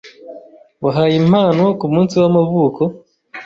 Wahaye impano kumunsi w'amavuko?